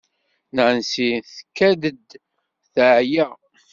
Nancy tkad-d teɛya.